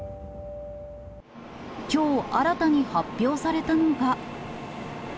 きょう、新たに発表されたのが。